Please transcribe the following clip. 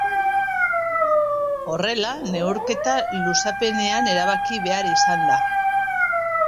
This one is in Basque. Horrela, neurketa luzapenean erabaki behar izan da.